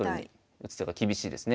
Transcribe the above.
打つ手が厳しいですね。